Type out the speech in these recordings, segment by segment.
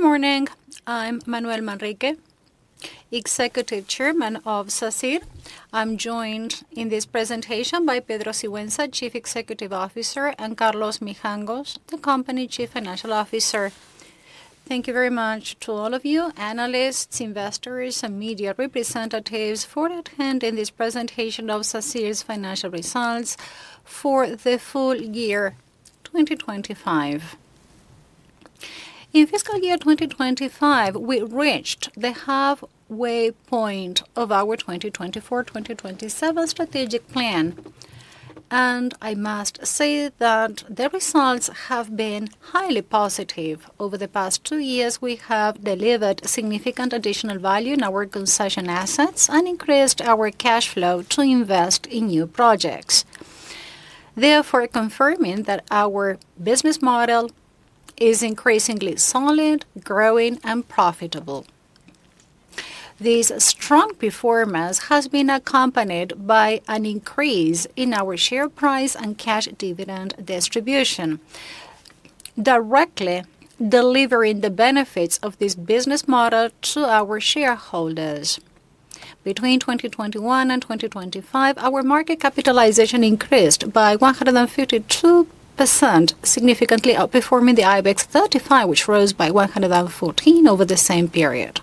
Good morning. I'm Manuel Manrique, Executive Chairman of Sacyr. I'm joined in this presentation by Pedro Sigüenza, Chief Executive Officer, and Carlos Mijangos, the Company Chief Financial Officer. Thank you very much to all of you, analysts, investors, and media representatives, for attending this presentation of Sacyr's Financial Results for the Full Year 2025. In fiscal year 2025, we reached the halfway point of our 2024/2027 strategic plan. I must say that the results have been highly positive. Over the past two years, we have delivered significant additional value in our concession assets and increased our cash flow to invest in new projects, therefore confirming that our business model is increasingly solid, growing, and profitable. This strong performance has been accompanied by an increase in our share price and cash dividend distribution, directly delivering the benefits of this business model to our shareholders. Between 2021 and 2025, our market capitalization increased by 152%, significantly outperforming the Ibex 35, which rose by 114% over the same period.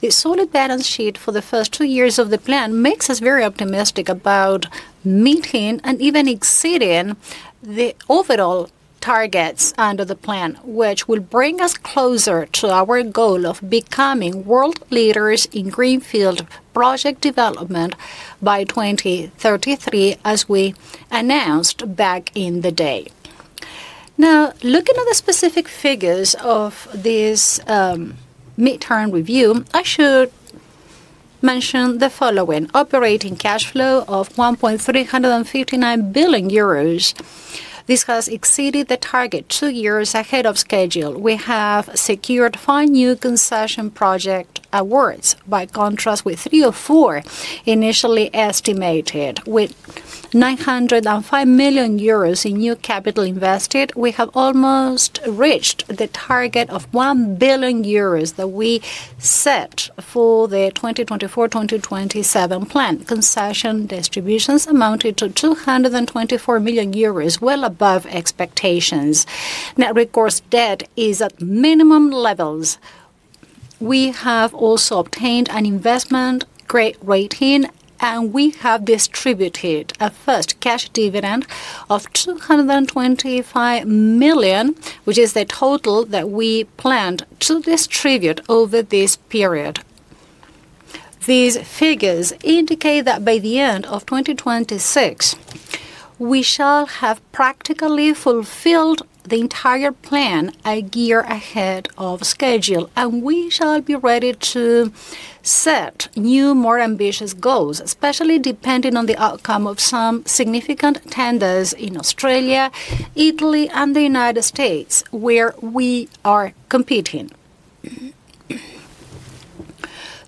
The solid balance sheet for the first two years of the plan makes us very optimistic about meeting and even exceeding the overall targets under the plan, which will bring us closer to our goal of becoming world leaders in greenfield project development by 2033, as we announced back in the day. Now, looking at the specific figures of this midterm review, I should mention the following: operating cash flow of 1.359 billion euros. This has exceeded the target two years ahead of schedule. We have secured five new concession project awards, by contrast, with three or four initially estimated. With 905 million euros in new capital invested, we have almost reached the target of 1 billion euros that we set for the 2024, 2027 plan. Concession distributions amounted to 224 million euros, well above expectations. Net recourse debt is at minimum levels. We have also obtained an investment grade rating, and we have distributed a first cash dividend of 225 million, which is the total that we planned to distribute over this period. These figures indicate that by the end of 2026, we shall have practically fulfilled the entire plan a year ahead of schedule, and we shall be ready to set new, more ambitious goals, especially depending on the outcome of some significant tenders in Australia, Italy, and the United States, where we are competing.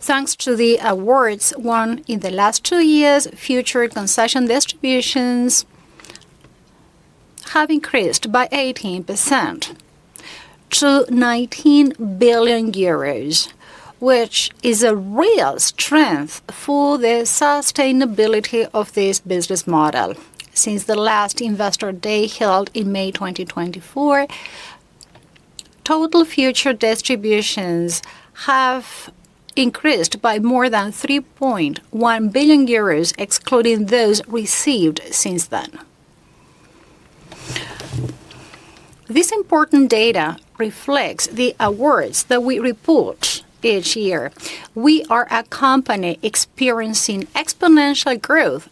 Thanks to the awards won in the last two years, future concession distributions have increased by 18% to 19 billion euros, which is a real strength for the sustainability of this business model. Since the last Investor Day, held in May 2024, total future distributions have increased by more than 3.1 billion euros, excluding those received since then. This important data reflects the awards that we report each year. We are a company experiencing exponential growth,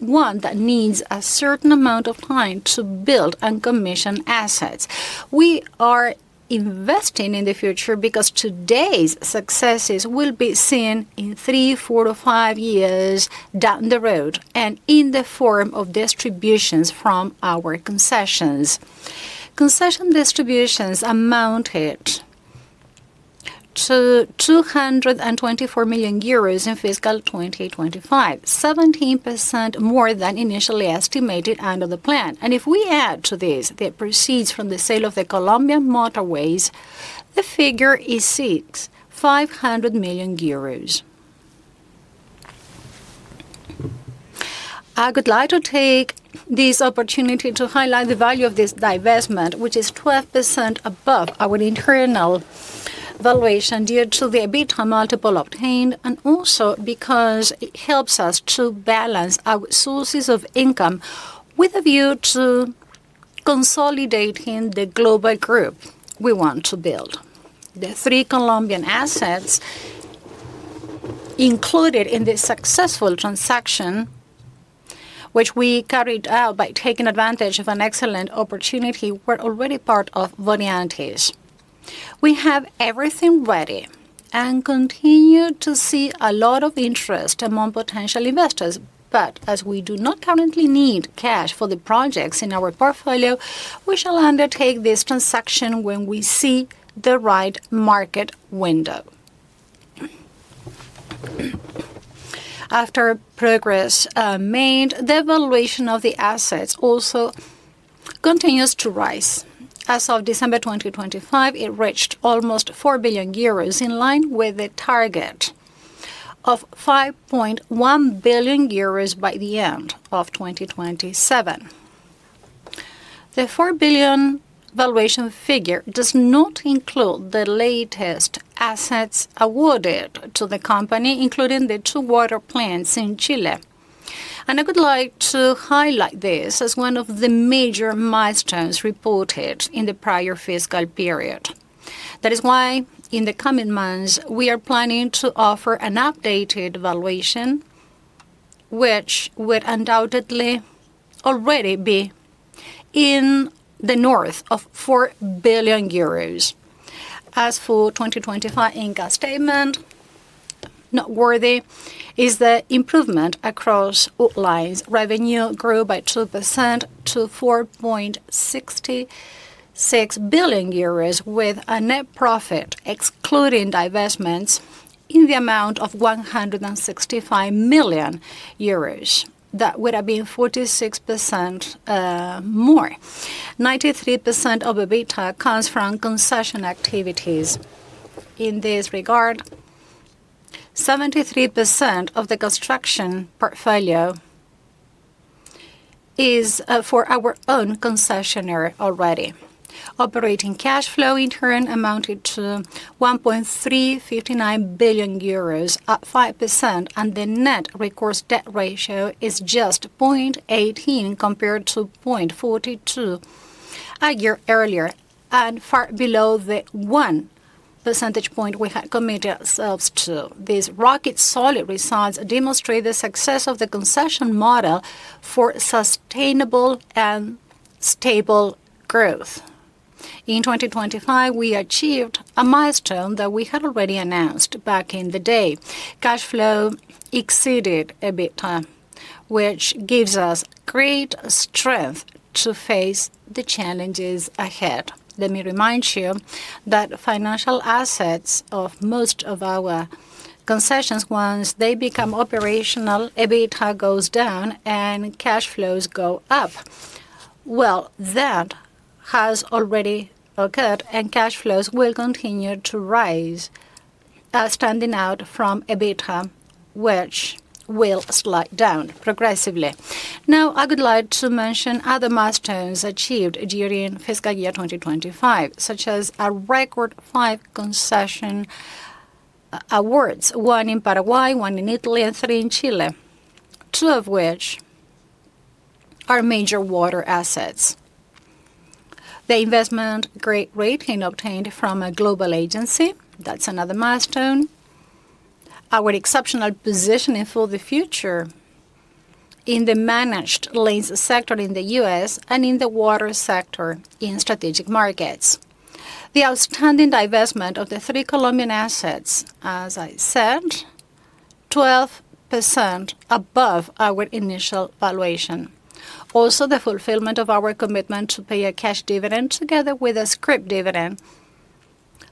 one that needs a certain amount of time to build and commission assets. We are investing in the future because today's successes will be seen in three, four, or five years down the road and in the form of distributions from our concessions. Concession distributions amounted to 224 million euros in fiscal 2025, 17% more than initially estimated under the plan. If we add to this, the proceeds from the sale of the Colombian motorways, the figure is 6,500 million euros. I would like to take this opportunity to highlight the value of this divestment, which is 12% above our internal valuation, due to the EBITDA multiple obtained, and also because it helps us to balance our sources of income with a view to consolidating the global group we want to build. The three Colombian assets included in this successful transaction, which we carried out by taking advantage of an excellent opportunity, were already part of Odebrecht. We have everything ready and continue to see a lot of interest among potential investors, but as we do not currently need cash for the projects in our portfolio, we shall undertake this transaction when we see the right market window. After progress made, the evaluation of the assets also continues to rise. As of December 2025, it reached almost 4 billion euros, in line with the target of 5.1 billion euros by the end of 2027. The 4 billion valuation figure does not include the latest assets awarded to the company, including the two water plants in Chile. I would like to highlight this as one of the major milestones reported in the prior fiscal period. That is why, in the coming months, we are planning to offer an updated valuation, which would undoubtedly already be in the north of 4 billion euros. As for 2025 income statement, noteworthy is the improvement across all lines. Revenue grew by 2% to 4.66 billion euros, with a net profit, excluding divestments, in the amount of 165 million euros. That would have been 46% more. 93% of EBITDA comes from concession activities. In this regard, 73% of the construction portfolio is for our own concessionaire already. Operating cash flow, in turn, amounted to 1.359 billion euros, up 5%, and the net recourse debt ratio is just 0.18 compared to 0.42 a year earlier, and far below the 1 percentage point we had committed ourselves to. These rocket solid results demonstrate the success of the concession model for sustainable and stable growth. In 2025, we achieved a milestone that we had already announced back in the day. Cash flow exceeded EBITDA, which gives us great strength to face the challenges ahead. Let me remind you that financial assets of most of our concessions, once they become operational, EBITDA goes down and cash flows go up. Well, that has already occurred, cash flows will continue to rise, standing out from EBITDA, which will slide down progressively. Now, I would like to mention other milestones achieved during fiscal year 2025, such as a record five concession awards, one in Paraguay, one in Italy, and three in Chile, two of which are major water assets. The investment grade rating obtained from a global agency, that's another milestone. Our exceptional positioning for the future in the managed lanes sector in the U.S. and in the water sector in strategic markets. The outstanding divestment of the three Colombian assets, as I said, 12% above our initial valuation. The fulfillment of our commitment to pay a cash dividend together with a scrip dividend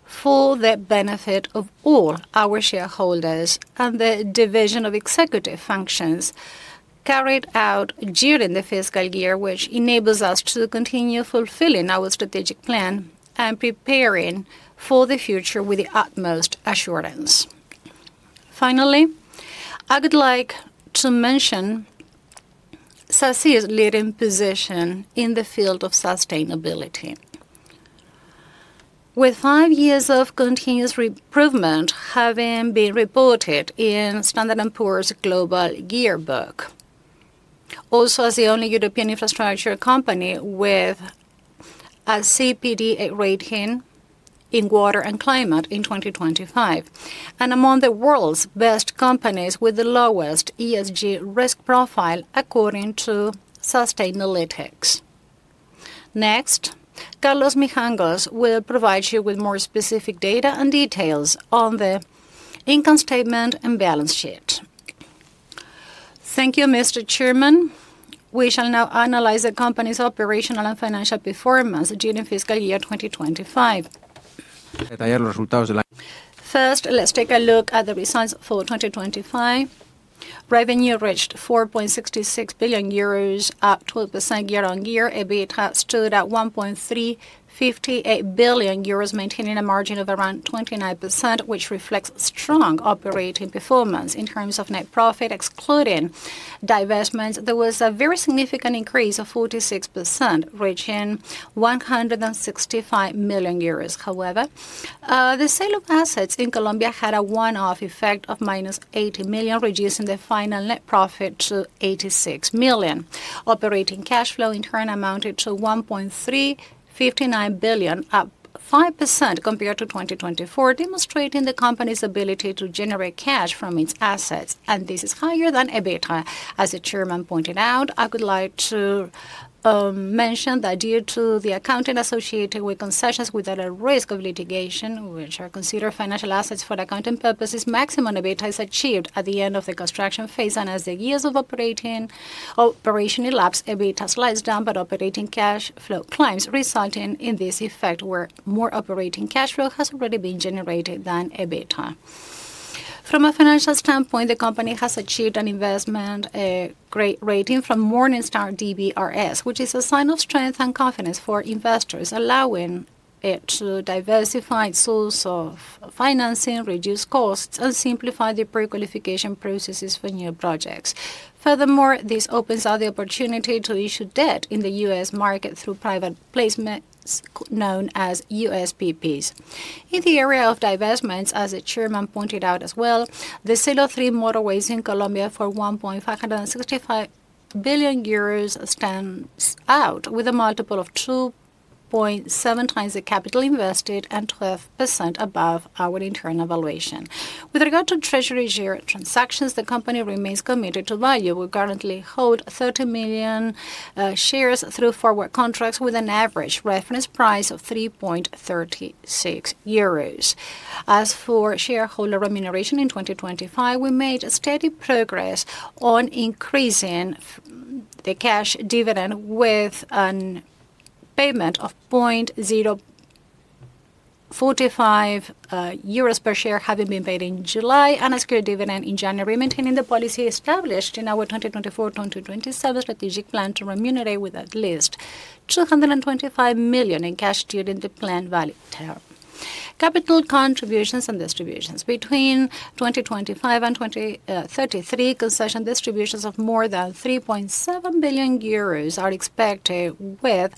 for the benefit of all our shareholders, and the division of executive functions carried out during the fiscal year, which enables us to continue fulfilling our strategic plan and preparing for the future with the utmost assurance. I would like to mention Sacyr's leading position in the field of sustainability. With five years of continuous re-improvement having been reported in Standard & Poor's Global Yearbook. As the only European infrastructure company with a CDP rating in water and climate in 2025, and among the world's best companies with the lowest ESG risk profile, according to Sustainalytics. Carlos Mijangos will provide you with more specific data and details on the income statement and balance sheet. Thank you, Mr. Chairman. We shall now analyze the company's operational and financial performance during the fiscal year 2025. First, let's take a look at the results for 2025. Revenue reached 4.66 billion euros, up 12% year-on-year. EBITDA stood at 1.358 billion euros, maintaining a margin of around 29%, which reflects strong operating performance. In terms of net profit, excluding divestments, there was a very significant increase of 46%, reaching 165 million euros. However, the sale of assets in Colombia had a one-off effect of -80 million, reducing the final net profit to 86 million. Operating cash flow, in turn, amounted to 1.359 billion, up 5% compared to 2024, demonstrating the company's ability to generate cash from its assets, and this is higher than EBITDA. As the chairman pointed out, I would like to mention that due to the accounting associated with concessions with at a risk of litigation, which are considered financial assets for accounting purposes, maximum EBITDA is achieved at the end of the construction phase, and as the years of operation elapse, EBITDA slides down, but operating cash flow climbs, resulting in this effect where more operating cash flow has already been generated than EBITDA. From a financial standpoint, the company has achieved an investment great rating from Morningstar DBRS, which is a sign of strength and confidence for investors, allowing it to diversify its source of financing, reduce costs, and simplify the pre-qualification processes for new projects. Furthermore, this opens up the opportunity to issue debt in the U.S. market through private placements known as USPPs. In the area of divestments, as the chairman pointed out as well, the sale of three motorways in Colombia for 1.565 billion euros stands out, with a multiple of 2.7x the capital invested and 12% above our internal evaluation. With regard to treasury share transactions, the company remains committed to value. We currently hold 30 million shares through forward contracts with an average reference price of 3.36 euros. As for shareholder remuneration, in 2025, we made a steady progress on increasing the cash dividend with an payment of 0.045 euros per share, having been paid in July and a scrip dividend in January, maintaining the policy established in our 2024-2027 strategic plan to remunerate with at least 225 million in cash during the planned value term. Capital contributions and distributions. Between 2025 and 2033, concession distributions of more than 3.7 billion euros are expected, with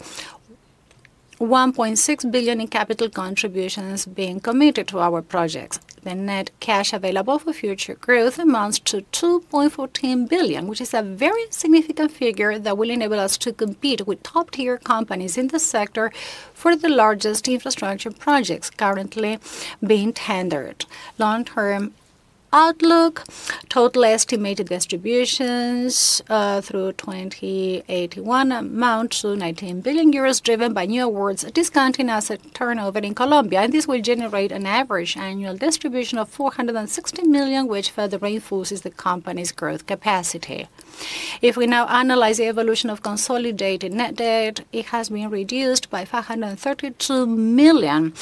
1.6 billion in capital contributions being committed to our projects. The net cash available for future growth amounts to 2.14 billion, which is a very significant figure that will enable us to compete with top-tier companies in the sector for the largest infrastructure projects currently being tendered. Long-term outlook, total estimated distributions through 2081 amount to 19 billion euros, driven by new awards, discounting as a turnover in Colombia. This will generate an average annual distribution of 460 million, which further reinforces the company's growth capacity. We now analyze the evolution of consolidated net debt, it has been reduced by 532 million.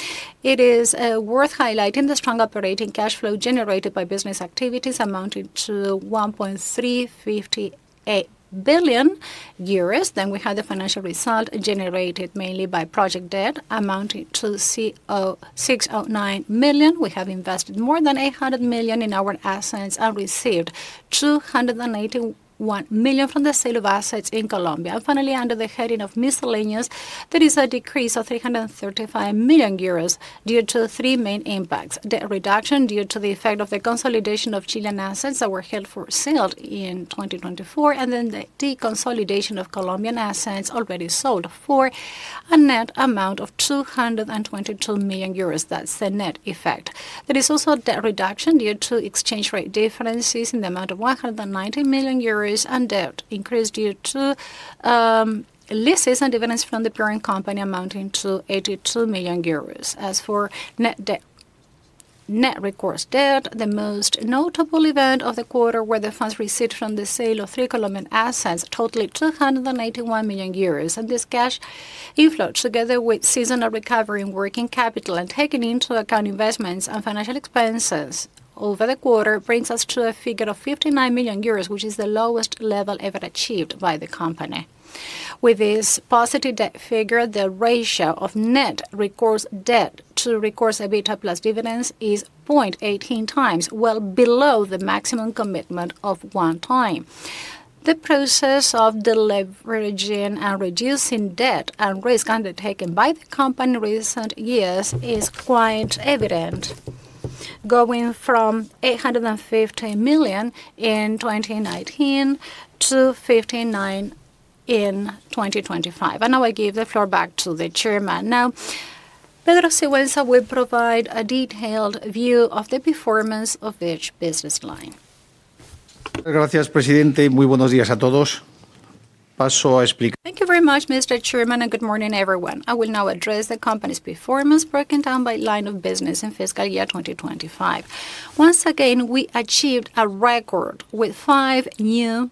It is worth highlighting the strong operating cash flow generated by business activities, amounting to 1.358 billion euros. We have the financial result generated mainly by project debt, amounting to 609 million. We have invested more than 800 million in our assets and received 281 million from the sale of assets in Colombia. Finally, under the heading of miscellaneous, there is a decrease of 335 million euros due to three main impacts: debt reduction due to the effect of the consolidation of Chilean assets that were held for sale in 2024, and the deconsolidation of Colombian assets already sold for a net amount of 222 million euros. That's the net effect. There is also a debt reduction due to exchange rate differences in the amount of 190 million euros, debt increased due to leases and dividends from the parent company, amounting to 82 million euros. As for net debt, net recourse debt, the most notable event of the quarter were the funds received from the sale of three Colombian assets, totaling 281 million euros. This cash inflow, together with seasonal recovery and working capital and taking into account investments and financial expenses over the quarter, brings us to a figure of 59 million euros, which is the lowest level ever achieved by the company. With this positive debt figure, the ratio of net recourse debt to recourse EBITDA plus dividends, is 0.18x, well below the maximum commitment of one time. The process of deleveraging and reducing debt and risk undertaken by the company in recent years is quite evident, going from 850 million in 2019 to 59 million in 2025. Now I give the floor back to the Chairman. Pedro Sigüenza will provide a detailed view of the performance of each business line. Gracias, Presidente. Muy buenos dias a todos. Thank you very much, Mr. Chairman, and good morning, everyone. I will now address the company's performance, broken down by line of business in fiscal year 2025. Once again, we achieved a record with five new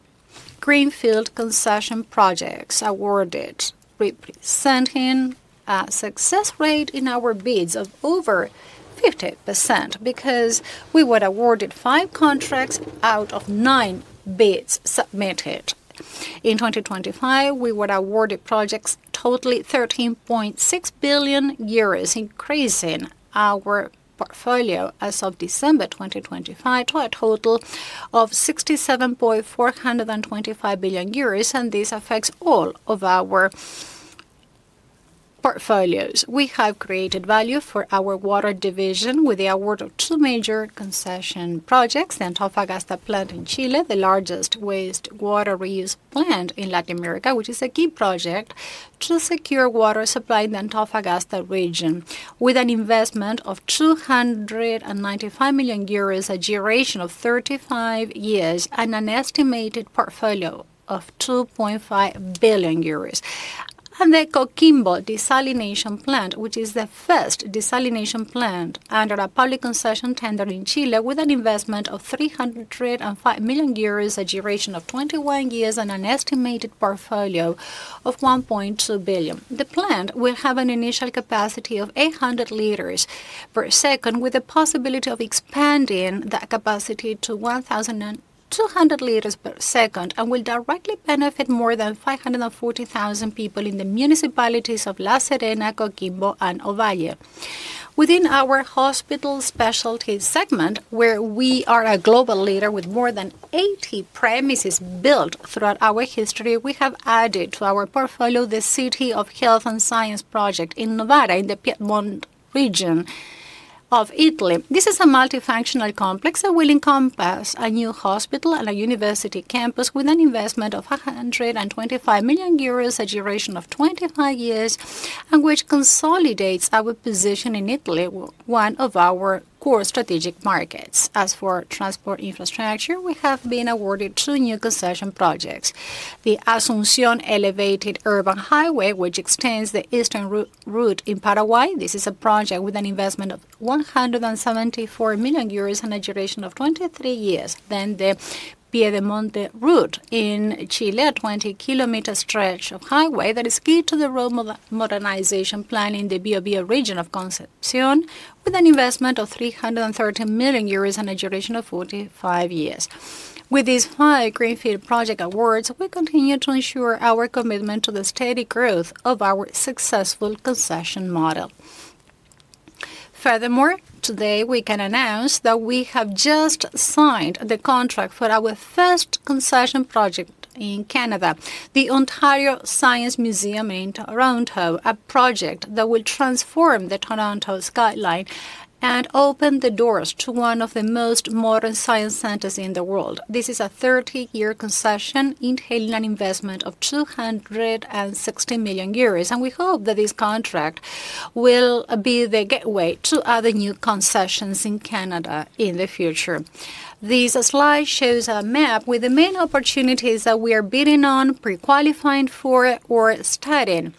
greenfield concession projects awarded, representing a success rate in our bids of over 50%, because we were awarded five contracts out of nine bids submitted. In 2025, we were awarded projects totaling 13.6 billion euros, increasing our portfolio as of December 2025, to a total of 67.425 billion euros. This affects all of our portfolios. We have created value for our water division with the award of two major concession projects, the Antofagasta plant in Chile, the largest wastewater reuse plant in Latin America, which is a key project to secure water supply in the Antofagasta region, with an investment of 295 million euros, a duration of 35 years, and an estimated portfolio of 2.5 billion euros. The Coquimbo Desalination Plant, which is the first desalination plant under a public concession tender in Chile, with an investment of 305 million euros, a duration of 21 years, and an estimated portfolio of 1.2 billion. The plant will have an initial capacity of 800 liters per second, with the possibility of expanding that capacity to 1,200 liters per second, and will directly benefit more than 540,000 people in the municipalities of La Serena, Coquimbo, and Ovalle. Within our hospital specialties segment, where we are a global leader with more than 80 premises built throughout our history, we have added to our portfolio the City of Health and Science project in Novara, in the Piedmont region of Italy. This is a multifunctional complex that will encompass a new hospital and a university campus, with an investment of 125 million euros, a duration of 25 years, and which consolidates our position in Italy, one of our core strategic markets. As for transport infrastructure, we have been awarded two new concession projects: the Asunción Elevated Urban Highway, which extends the eastern route in Paraguay. This is a project with an investment of 174 million euros and a duration of 23 years. The Piedemonte Route in Chile, a 20-kilometer stretch of highway that is key to the road modernization plan in the Biobío Region of Concepción, with an investment of 330 million euros and a duration of 45 years. With these five greenfield project awards, we continue to ensure our commitment to the steady growth of our successful concession model. Today, we can announce that we have just signed the contract for our first concession project in Canada, the Ontario Science Centre in Toronto, a project that will transform the Toronto skyline and open the doors to one of the most modern science centers in the world. This is a 30-year concession entailing an investment of 260 million euros, and we hope that this contract will be the gateway to other new concessions in Canada in the future. This slide shows a map with the main opportunities that we are bidding on, pre-qualifying for, or studying,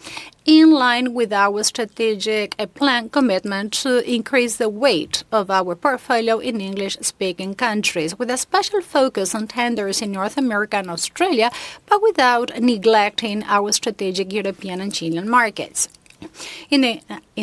in line with our strategic plan commitment to increase the weight of our portfolio in English-speaking countries, with a special focus on tenders in North America and Australia, but without neglecting our strategic European and Chilean markets. In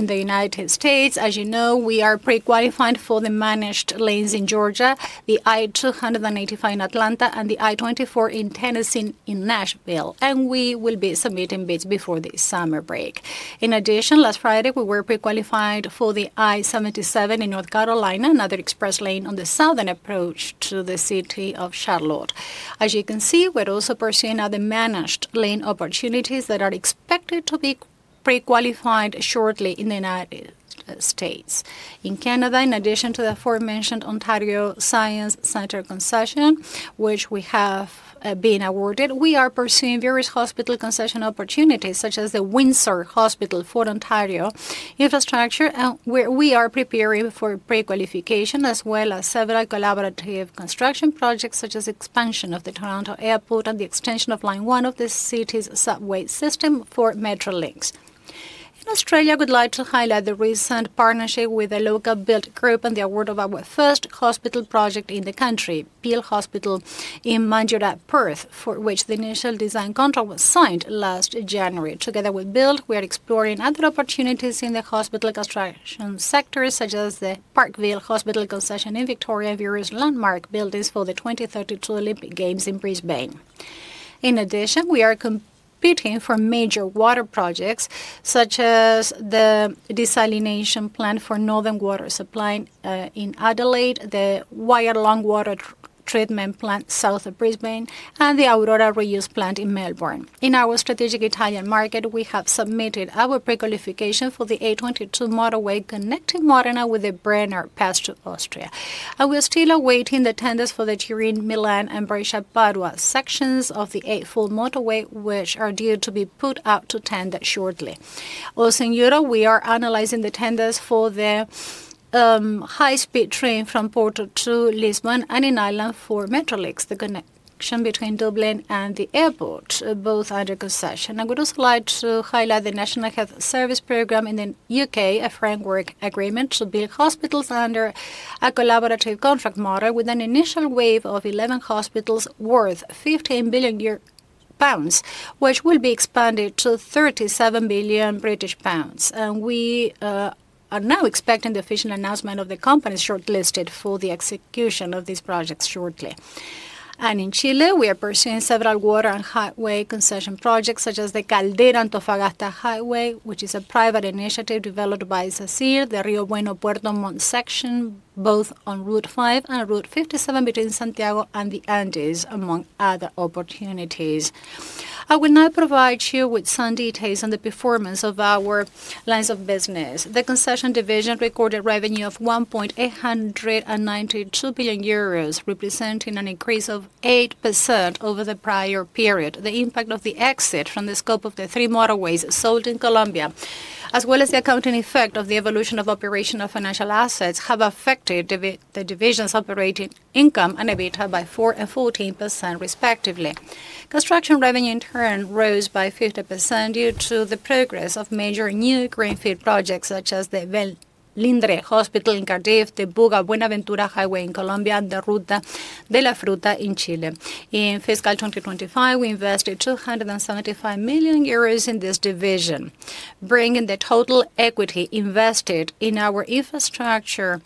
the United States, as you know, we are pre-qualified for the managed lanes in Georgia, the I-285 in Atlanta, and the I-24 in Tennessee, in Nashville. We will be submitting bids before the summer break. In addition, last Friday, we were pre-qualified for the I-77 in North Carolina, another express lane on the southern approach to the city of Charlotte. As you can see, we're also pursuing other managed lane opportunities that are expected to be pre-qualified shortly in the United States. In Canada, in addition to the aforementioned Ontario Science Centre concession, which we have been awarded, we are pursuing various hospital concession opportunities, such as the Windsor Hospital for Infrastructure Ontario, we are preparing for pre-qualification, as well as several collaborative construction projects, such as expansion of the Toronto Airport and the extension of Line 1 of the city's subway system for Metrolinx. In Australia, we'd like to highlight the recent partnership with the local Built Group and the award of our first hospital project in the country, Peel Health Campus in Mandurah, Perth, for which the initial design contract was signed last January. Together with Built, we are exploring other opportunities in the hospital construction sector, such as the Parkville Hospital concession in Victoria, various landmark buildings for the 2032 Olympic Games in Brisbane. In addition, we are competing for major water projects, such as the desalination plant for Northern Water Supply in Adelaide, the Wyalong Water Treatment Plant south of Brisbane, and the Aurora Reuse Plant in Melbourne. In our strategic Italian market, we have submitted our pre-qualification for the A22 motorway, connecting Modena with the Brenner Pass to Austria, and we're still awaiting the tenders for the Turin, Milan, and Brescia-Padua sections of the A24 motorway, which are due to be put out to tender shortly. Also in Europe, we are analyzing the tenders for the high-speed train from Porto to Lisbon and in Ireland for Metrolinx, the connection between Dublin and the airport, both under concession. I would also like to highlight the National Health Service program in the U.K., a framework agreement to build hospitals under a collaborative contract model with an initial wave of 11 hospitals worth 15 billion pounds, which will be expanded to 37 billion British pounds. We are now expecting the official announcement of the companies shortlisted for the execution of these projects shortly. In Chile, we are pursuing several water and highway concession projects, such as the Caldera-Antofagasta Highway, which is a private initiative developed by CCU, the Rio Bueno-Puerto Montt section, both on Route 5 and Route 57 between Santiago and the Andes, among other opportunities. I will now provide you with some details on the performance of our lines of business. The concession division recorded revenue of 1.892 billion euros, representing an increase of 8% over the prior period. The impact of the exit from the scope of the three motorways sold in Colombia, as well as the accounting effect of the evolution of operational financial assets have affected the division's operating income and EBITDA by 4% and 14% respectively. Construction revenue, in turn, rose by 50% due to the progress of major new greenfield projects, such as the Velindre Hospital in Cardiff, the Buga-Buenaventura Highway in Colombia, and the Ruta de la Fruta in Chile. In fiscal 2025, we invested 275 million euros in this division, bringing the total equity invested in our infrastructure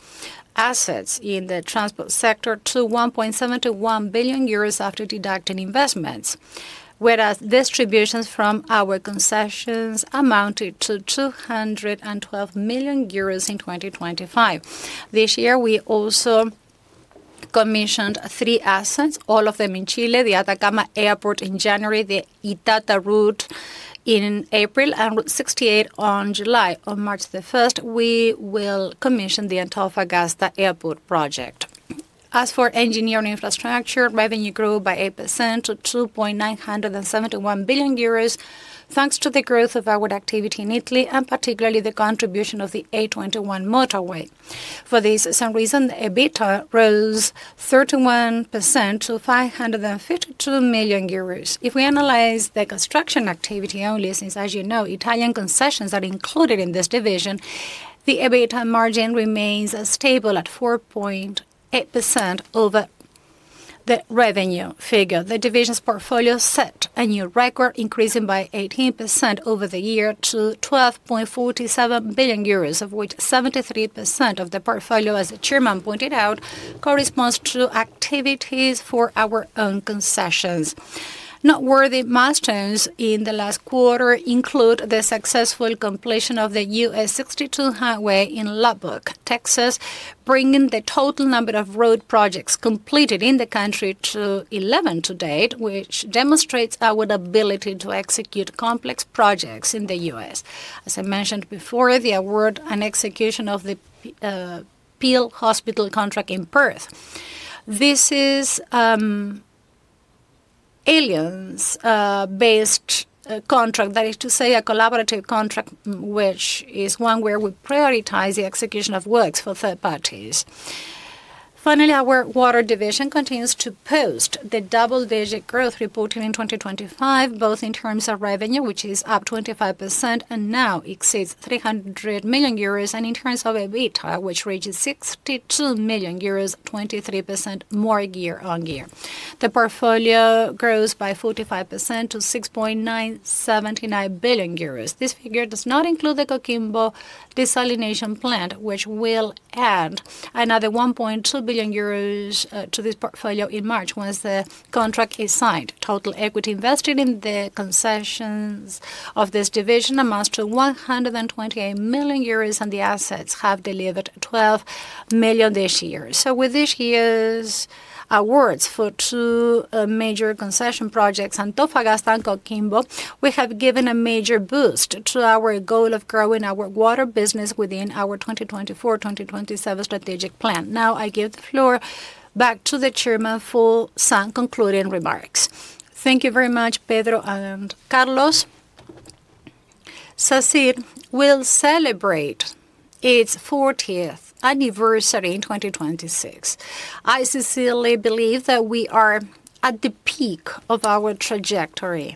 assets in the transport sector to 1.71 billion euros after deducting investments, whereas distributions from our concessions amounted to 212 million euros in 2025. This year, we also commissioned three assets, all of them in Chile: the Atacama Airport in January, the Itata Route in April, and Route 68 in July. On March 1st, we will commission the Antofagasta Airport project. As for engineering infrastructure, revenue grew by 8% to 2.971 billion euros, thanks to the growth of our activity in Italy and particularly the contribution of the A21 motorway. For this same reason, EBITDA rose 31% to 552 million euros. If we analyze the construction activity only, since, as you know, Italian concessions are included in this division, the EBITDA margin remains stable at 4.8% over the revenue figure. The division's portfolio set a new record, increasing by 18% over the year to 12.47 billion euros, of which 73% of the portfolio, as the Chairman pointed out, corresponds to activities for our own concessions. Noteworthy milestones in the last quarter include the successful completion of the U.S. 62 highway in Lubbock, Texas, bringing the total number of road projects completed in the country to 11 to date, which demonstrates our ability to execute complex projects in the U.S. As I mentioned before, the award and execution of the Peel Hospital contract in Perth. This is alliance-based contract. That is to say, a collaborative contract, which is one where we prioritize the execution of works for third parties. Finally, our water division continues to post the double-digit growth reported in 2025, both in terms of revenue, which is up 25% and now exceeds 300 million euros, and in terms of EBITDA, which reaches 62 million euros, 23% more year-over-year. The portfolio grows by 45% to 6.979 billion euros. This figure does not include the Coquimbo desalination plant, which will add another 1.2 billion euros to this portfolio in March, once the contract is signed. Total equity invested in the concessions of this division amounts to 128 million euros, and the assets have delivered 12 million this year. With this year's awards for two major concession projects, Antofagasta and Coquimbo, we have given a major boost to our goal of growing our water business within our 2024/2027 strategic plan. Now, I give the floor back to the chairman for some concluding remarks. Thank you very much, Pedro and Carlos. Sacyr will celebrate its 40th anniversary in 2026. I sincerely believe that we are at the peak of our trajectory.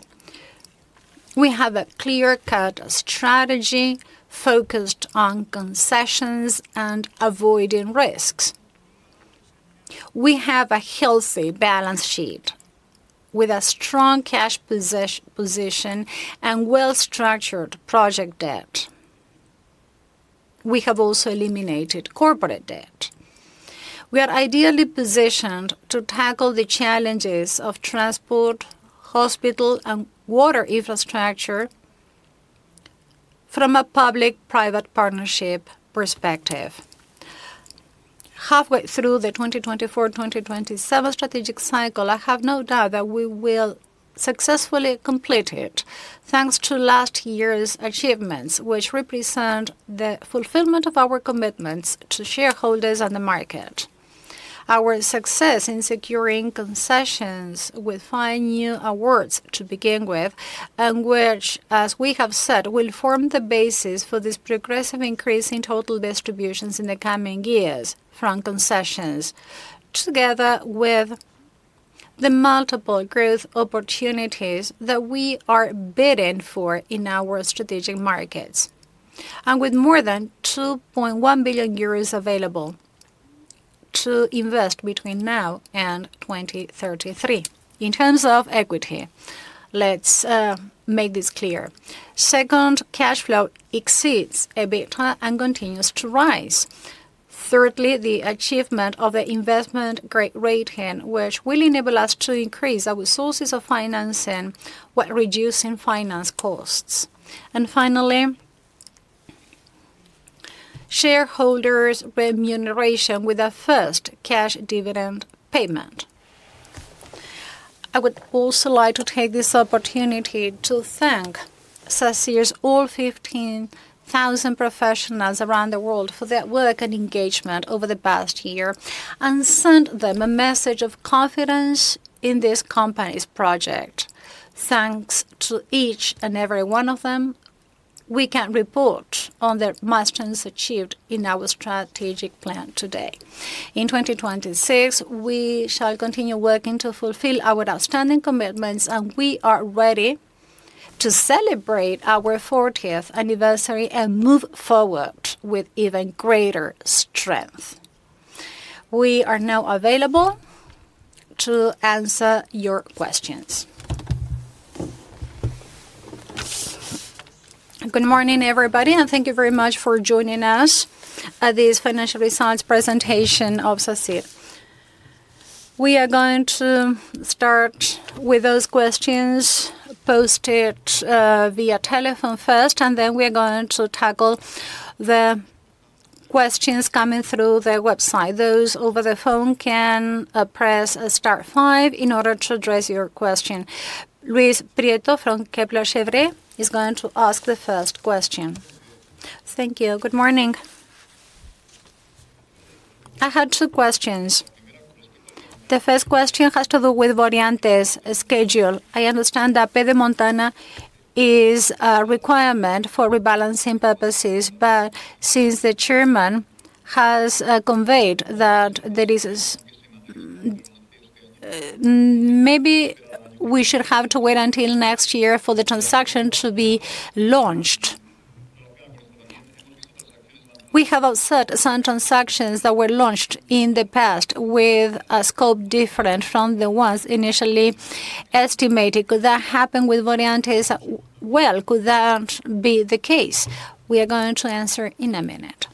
We have a clear-cut strategy focused on concessions and avoiding risks. We have a healthy balance sheet, with a strong cash position and well-structured project debt. We have also eliminated corporate debt. We are ideally positioned to tackle the challenges of transport, hospital, and water infrastructure from a public-private partnership perspective. Halfway through the 2024/2027 strategic cycle, I have no doubt that we will successfully complete it, thanks to last year's achievements, which represent the fulfillment of our commitments to shareholders and the market. Our success in securing concessions with fine new awards to begin with, and which, as we have said, will form the basis for this progressive increase in total distributions in the coming years from concessions, together with the multiple growth opportunities that we are bidding for in our strategic markets, and with more than 2.1 billion euros available to invest between now and 2033. In terms of equity, let's make this clear. Second, cash flow exceeds EBITDA and continues to rise. Thirdly, the achievement of the investment grade rate here, which will enable us to increase our sources of financing while reducing finance costs. Finally, shareholders' remuneration with our first cash dividend payment. I would also like to take this opportunity to thank Sacyr's all 15,000 professionals around the world for their work and engagement over the past year, and send them a message of confidence in this company's project. Thanks to each and every one of them. We can report on the milestones achieved in our strategic plan today. In 2026, we shall continue working to fulfill our outstanding commitments, and we are ready to celebrate our 40th anniversary and move forward with even greater strength. We are now available to answer your questions. Good morning, everybody, and thank you very much for joining us at this financial results presentation of Sacyr. We are going to start with those questions posted via telephone first, and then we're going to tackle the questions coming through the website. Those over the phone can press star five in order to address your question. Luis Prieto from Kepler Cheuvreux is going to ask the first question. Thank you. Good morning. I had two questions. The first question has to do with Variantes schedule. I understand that Pedemontana is a requirement for rebalancing purposes. Since the Chairman has conveyed that there is maybe we should have to wait until next year for the transaction to be launched. We have observed some transactions that were launched in the past with a scope different from the ones initially estimated. Could that happen with Variantes? Well, could that be the case? We are going to answer in a minute. Say, Luis, buenos dias.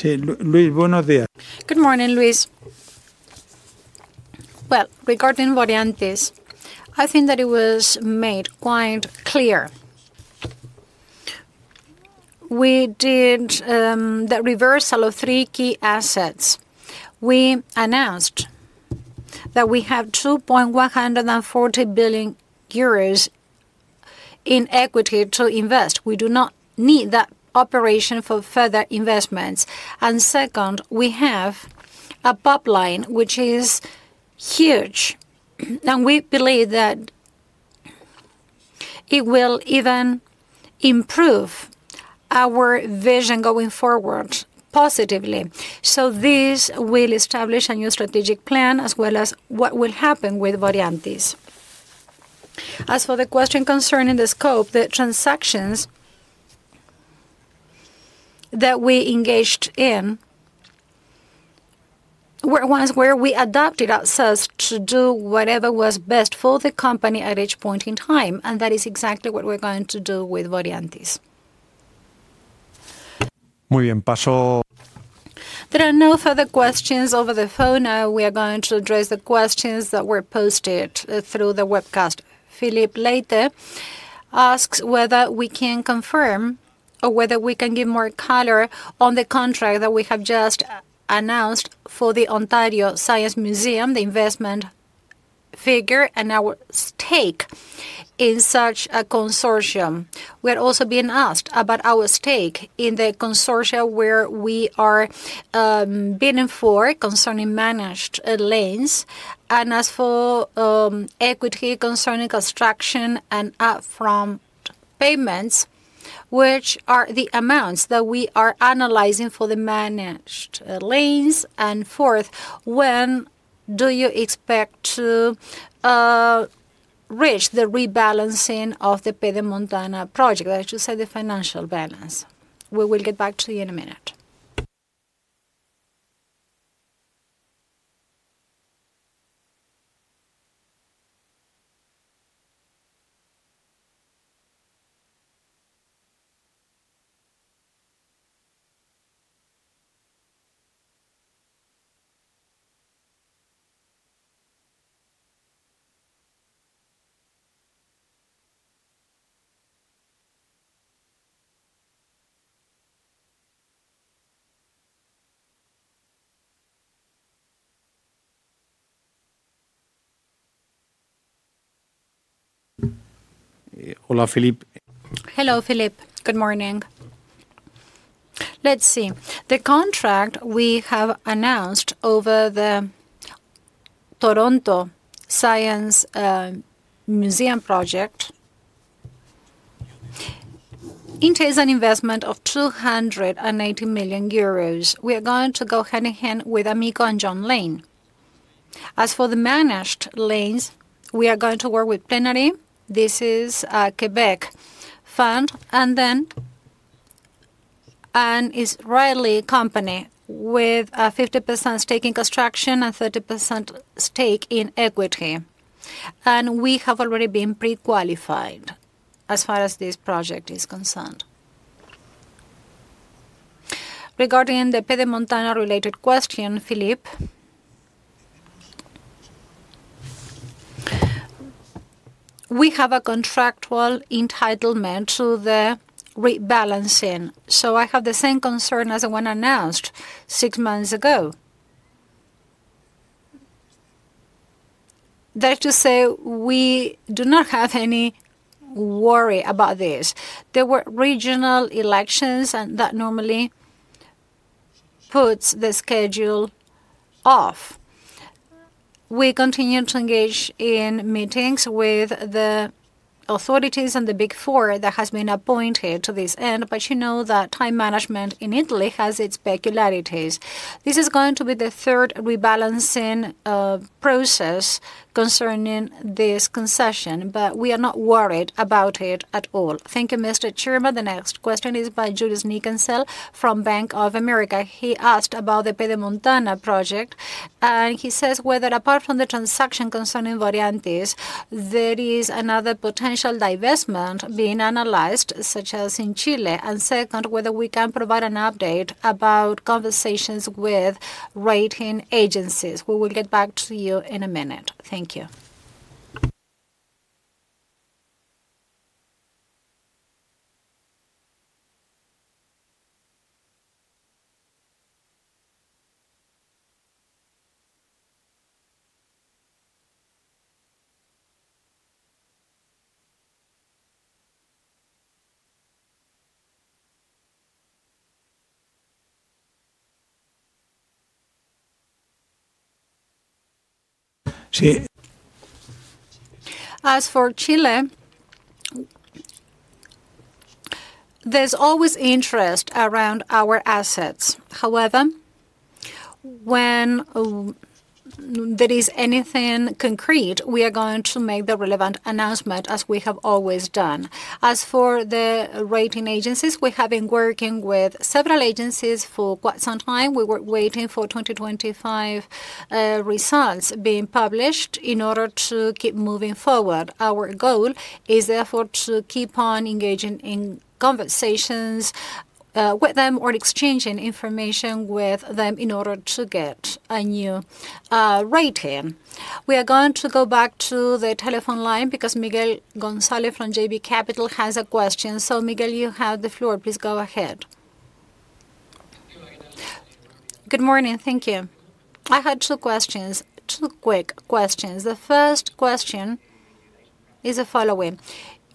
Good morning, Luis. Well, regarding Variantes, I think that it was made quite clear. We did the reversal of three key assets. We announced that we have 2.140 billion euros in equity to invest. We do not need that operation for further investments. Second, we have a pipeline, which is huge, and we believe that it will even improve our vision going forward positively. This will establish a new strategic plan, as well as what will happen with Variantes. As for the question concerning the scope, the transactions that we engaged in were ones where we adapted ourselves to do whatever was best for the company at each point in time, and that is exactly what we're going to do with Variantes. There are no further questions over the phone. Now, we are going to address the questions that were posted through the webcast. Filipe Leite asks whether we can confirm or whether we can give more color on the contract that we have just announced for the Ontario Science Centre, the investment figure, and our stake in such a consortium. We're also being asked about our stake in the consortia where we are bidding for concerning managed lanes, and as for equity concerning construction and up-front payments, which are the amounts that we are analyzing for the managed lanes. Fourth, when do you expect to reach the rebalancing of the Pedemontana Veneta project? I should say the financial balance. We will get back to you in a minute. Hola, Filipe. Hello, Filipe. Good morning. Let's see. The contract we have announced over the Ontario Science Centre project entails an investment of 280 million euros. We are going to go hand in hand with Amico and John Laing. As for the managed lanes, we are going to work with Plenary. This is a Quebec fund, and then, an Israeli company with a 50% stake in construction and 30% stake in equity, and we have already been pre-qualified as far as this project is concerned. Regarding the Pedemontana related question, Filipe, we have a contractual entitlement to the rebalancing, so I have the same concern as the one announced six months ago. That to say, we do not have any worry about this. There were regional elections, and that normally puts the schedule off. We continue to engage in meetings with the authorities and the Big Four that has been appointed to this end, but you know that time management in Italy has its peculiarities. This is going to be the third rebalancing process concerning this concession, but we are not worried about it at all. Thank you, Mr. Chairman. The next question is by Julius Nickelsen from Bank of America. He asked about the Pedemontana project, and he says whether apart from the transaction concerning Orientez, there is another potential divestment being analyzed, such as in Chile, and second, whether we can provide an update about conversations with rating agencies. We will get back to you in a minute. Thank you. As for Chile, there's always interest around our assets. However, when there is anything concrete, we are going to make the relevant announcement, as we have always done. As for the rating agencies, we have been working with several agencies for quite some time. We were waiting for 2025 results being published in order to keep moving forward. Our goal is, therefore, to keep on engaging in conversations with them or exchanging information with them in order to get a new rating. We are going to go back to the telephone line because Miguel González from JB Capital has a question. Miguel, you have the floor. Please go ahead. Good morning. Thank you. I had two questions, two quick questions. The first question is the following: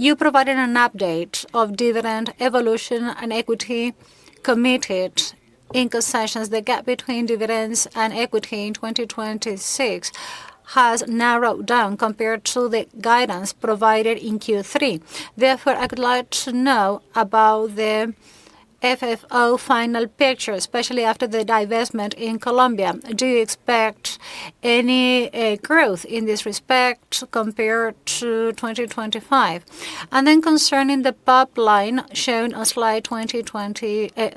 You provided an update of dividend evolution and equity committed in concessions. The gap between dividends and equity in 2026 has narrowed down compared to the guidance provided in Q3. Therefore, I would like to know about the FFO final picture, especially after the divestment in Colombia. Do you expect any growth in this respect compared to 2025? Concerning the pop line shown on slide 20,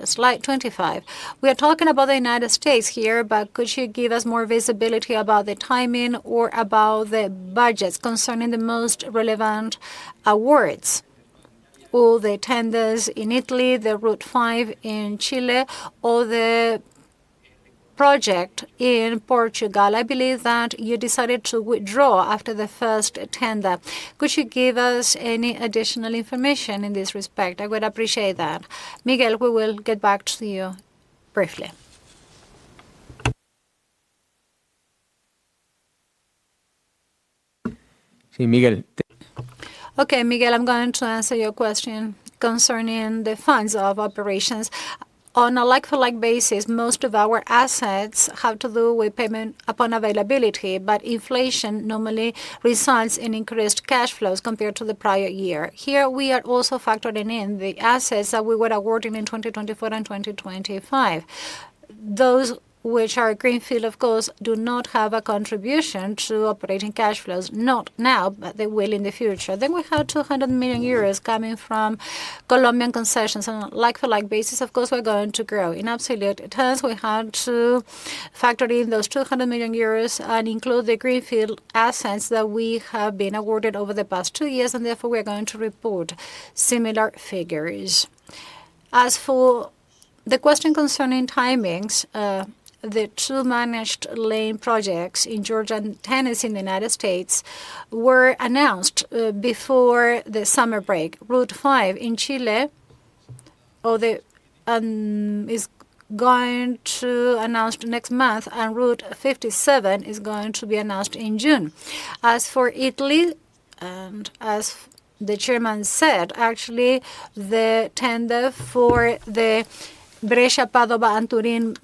slide 25. We are talking about the United States here, but could you give us more visibility about the timing or about the budgets concerning the most relevant awards? All the tenders in Italy, the Route 5 in Chile, or the project in Portugal, I believe that you decided to withdraw after the first tender. Could you give us any additional information in this respect? I would appreciate that. Miguel, we will get back to you briefly. See, Miguel. Okay, Miguel, I'm going to answer your question concerning the funds of operations. On a like-for-like basis, most of our assets have to do with payment upon availability, but inflation normally results in increased cash flows compared to the prior year. Here, we are also factoring in the assets that we were awarding in 2024 and 2025. Those which are greenfield, of course, do not have a contribution to operating cash flows. Not now, but they will in the future. We have 200 million euros coming from Colombian concessions. On a like-for-like basis, of course, we're going to grow. In absolute terms, we had to factor in those 200 million euros and include the greenfield assets that we have been awarded over the past two years, and therefore, we are going to report similar figures. As for the question concerning timings, the two managed lane projects in Georgia and Tennessee in the United States were announced before the summer break. Route 5 in Chile, or the, is going to announce next month, and Route 57 is going to be announced in June. As for Italy, as the chairman said, actually, the tender for the Brescia-Padova-Turin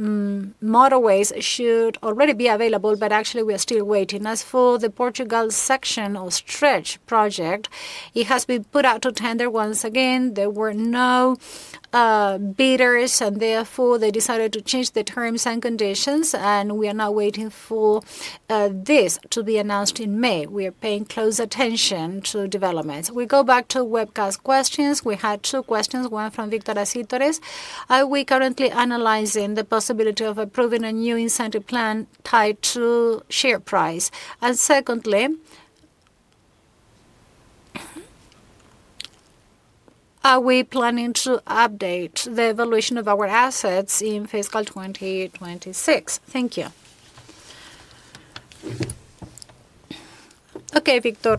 motorways should already be available. Actually, we are still waiting. As for the Portugal section or stretch project, it has been put out to tender once again. There were no bidders. Therefore, they decided to change the terms and conditions. We are now waiting for this to be announced in May. We are paying close attention to developments. We go back to webcast questions. We had two questions, one from Víctor Acítores. Are we currently analyzing the possibility of approving a new incentive plan tied to share price? Secondly, are we planning to update the evaluation of our assets in fiscal 2026? Thank you. Okay, Victor.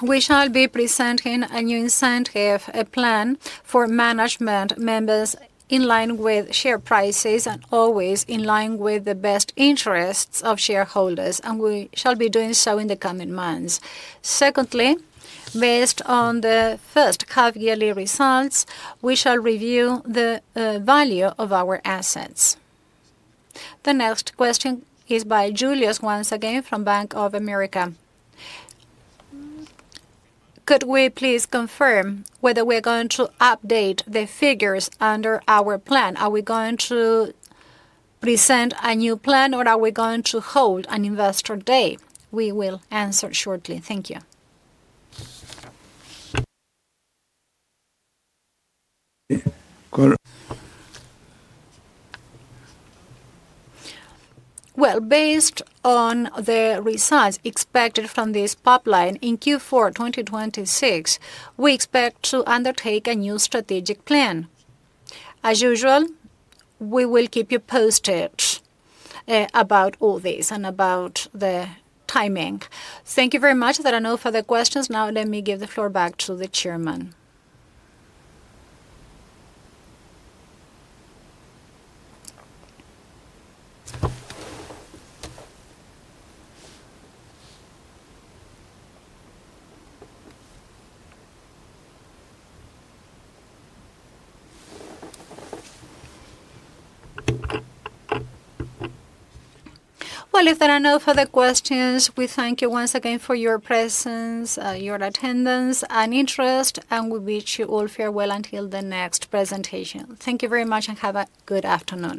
We shall be presenting a new incentive, a plan for management members in line with share prices and always in line with the best interests of shareholders. We shall be doing so in the coming months. Secondly, based on the first half-yearly results, we shall review the value of our assets. The next question is by Julius, once again, from Bank of America. Could we please confirm whether we're going to update the figures under our plan? Are we going to present a new plan, or are we going to hold an investor day? We will answer shortly. Thank you. Well, based on the results expected from this pipeline in Q4 2026, we expect to undertake a new strategic plan. As usual, we will keep you posted about all this and about the timing. Thank you very much. There are no further questions. Let me give the floor back to the chairman. If there are no further questions, we thank you once again for your presence, your attendance and interest, and we wish you all farewell until the next presentation. Thank you very much, have a good afternoon.